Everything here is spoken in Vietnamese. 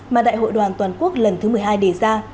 mà đại hội đoàn toàn quốc lần thứ một mươi hai đề ra